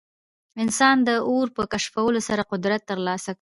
انسان د اور په کشفولو سره قدرت ترلاسه کړ.